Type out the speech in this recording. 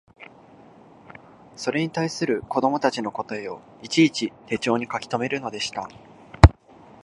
それに対する子供たちの答えをいちいち手帖に書きとめるのでした